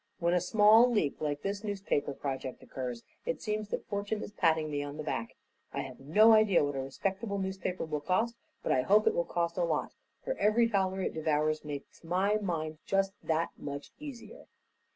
When a small leak like this newspaper project occurs, it seems that Fortune is patting me on the back. I've no idea what a respectable newspaper will cost, but I hope it will cost a lot, for every dollar it devours makes my mind just that much easier."